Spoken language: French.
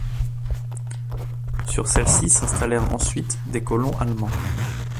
Sur celles-ci s'installèrent ensuite des colons allemands.